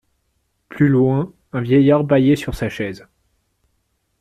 Plus loin, un vieillard bâillait sur sa chaise.